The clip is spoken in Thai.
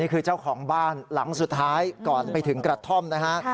เจ้าของบ้านหลังสุดท้ายก่อนไปถึงกระท่อมนะฮะ